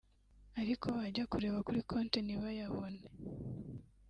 ariko bajya kureba kuri konti ntibayabone